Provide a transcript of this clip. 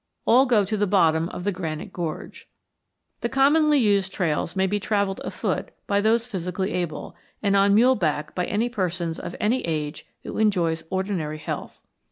All go to the bottom of the Granite Gorge. The commonly used trails may be travelled afoot by those physically able, and on mule back by any person of any age who enjoys ordinary health.